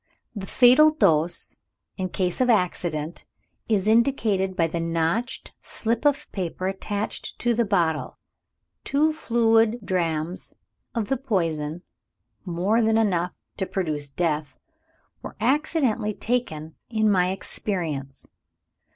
The fatal dose, in case of accident, is indicated by the notched slip of paper attached to the bottle. Two fluid drachms of the poison (more than enough to produce death) were accidentally taken in my experience.